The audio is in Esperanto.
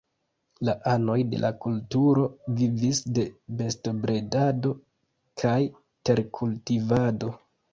La anoj de la kulturo vivis de bestobredado kaj terkultivado.